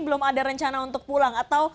belum ada rencana untuk pulang atau